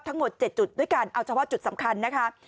ทั้งหมด๗จุดด้วยกันเอาเฉพาะจุดสำคัญนะคะ